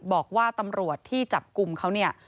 บอกว่าตำรวจที่จับกลุ่มเขาเนี่ย